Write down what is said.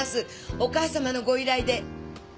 お義母様のご依頼で。